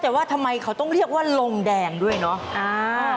แต่ว่าทำไมเขาต้องเรียกว่าลงแดงด้วยเนาะ